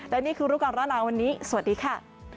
และนี่คือรู้ก่อนร้อนหนาวันนี้สวัสดีค่ะ